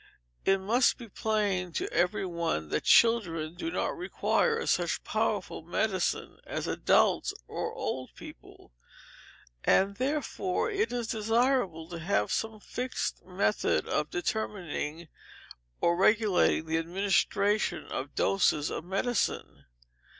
It must be plain to every one that children do not require such powerful medicine as adults or old people, and therefore it is desirable to have some fixed method of determining or regulating the administration of doses of medicine.